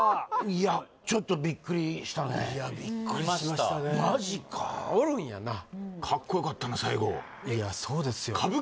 いやちょっとビックリしたねいやビックリしましたねマジかおるんやなカッコよかったな最後いやそうですよ